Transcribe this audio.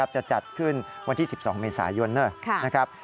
จะจัดขึ้นวันที่๑๒เมษายนนะครับ